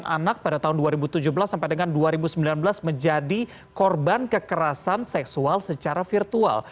anak pada tahun dua ribu tujuh belas sampai dengan dua ribu sembilan belas menjadi korban kekerasan seksual secara virtual